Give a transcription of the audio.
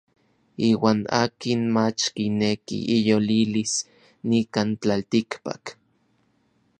Iuan akin mach kineki iyolilis nikan tlaltikpak.